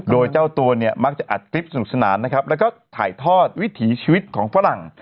โดยเจ้าตัวเนี่ยมักจะอัดคลิปสนุกสนานนะครับแล้วก็ถ่ายทอดวิถีชีวิตของฝรั่ง